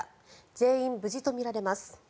全員無事とみられます。